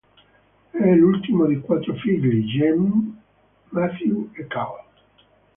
È l'ultimo di quattro figli, Jamie, Matthew e Karl.